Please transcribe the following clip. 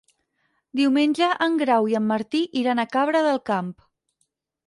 Diumenge en Grau i en Martí iran a Cabra del Camp.